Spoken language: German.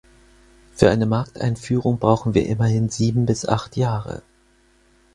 Für eine Markteinführung brauchen wir immerhin sieben bis acht Jahre.